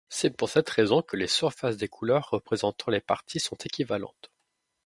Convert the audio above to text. C'est pour cette raison que les surfaces des couleurs représentant les partis sont équivalentes.